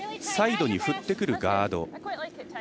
サイドに振ってくるガード。